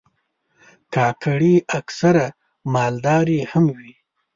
کاکړي اکثره مالداري هم کوي.